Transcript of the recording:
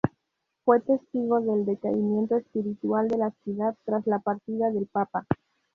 Fue testigo del decaimiento espiritual de la ciudad tras la partida del papa.